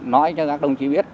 nói cho các đồng chí biết